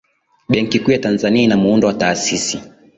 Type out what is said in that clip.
benki kuu ya tanzania ina muundo wa taasisi